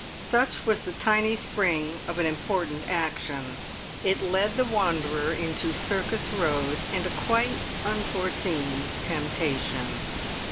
Such was the tiny spring of an important action; it led the wanderer into Circus Road and a quite unforeseen temptation.